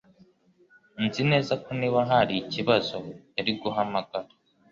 Nzi neza ko niba hari ikibazo yari guhamagara